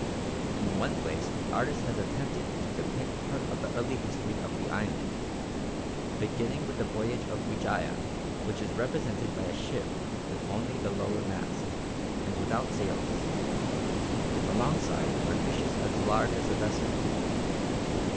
In one place the artist has attempted to depict part of the early history of the island, beginning with the voyage of Wijaya, which is represented by a ship with only the lower mast, and without sails; alongside are fishes as large as the vessel.